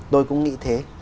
tôi cũng nghĩ thế